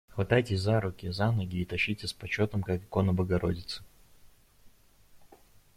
Хватайте за руки, за ноги и тащите с почетом, как икону богородицы.